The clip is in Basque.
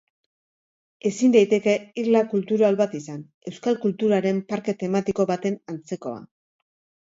Ezin daiteke irla kultural bat izan, euskal kulturaren parke tematiko baten antzekoa.